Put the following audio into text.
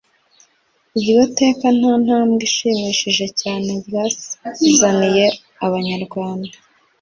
iryo teka nta ntambwe ishimishije cyane ryazaniye abanyarwanda